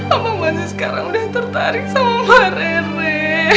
amang masih sekarang udah tertarik sama mbak rene